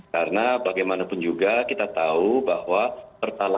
karena bagaimanapun juga kita tidak akan menanggapi harga pertalite